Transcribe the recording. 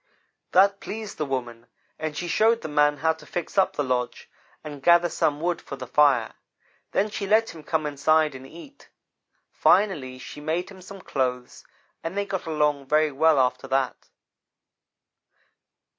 "That pleased the woman, and she showed the man how to fix up the lodge and gather some wood for the fire. Then she let him come inside and eat. Finally, she made him some clothes, and they got along very well, after that.